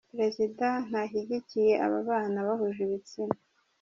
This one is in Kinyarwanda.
Perezida ntashyigikiye ababana bahuje ibitsina